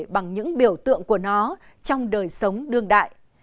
bằng những biểu tượng của nó trong đời sống đương đại